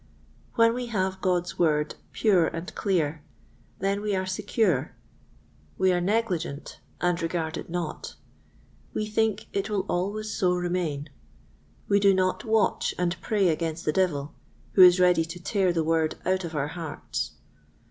When we have God's Word pure and clear, then we are secure, we are negligent and regard it not, we think it will always so remain; we do not watch and pray against the devil, who is ready to tear the Word out of our hearts.